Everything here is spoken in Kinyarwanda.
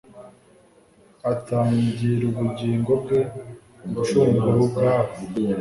atangirubugingo bge gucungurubgabo